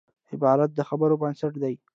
عبارت د خبرو بنسټ دئ.